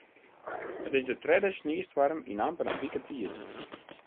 It is de tredde sniestoarm yn amper in wike tiid.